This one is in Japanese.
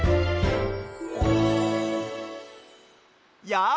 やあ！